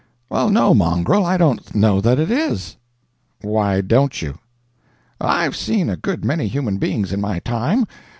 "Well, no, Mongrel, I don't know that it is." "Why don't you?" "I've seen a good many human beings in my time.